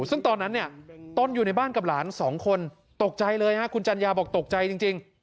ซึ่งตอนนั้นเนี่ยต้นอยู่ในบ้านกับหลานสองคนตกใจเลยคุณจัญญาบอกตกใจจริง